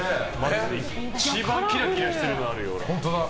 一番キラキラしてるのあるよ。